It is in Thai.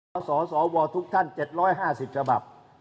เอาสสวทุกท่าน๗๕๐ฉบับ